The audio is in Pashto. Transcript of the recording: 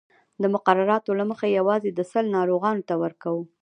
د مقرراتو له مخې یوازې د سِل ناروغانو ته ورکوو.